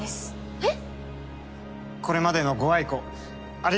えっ？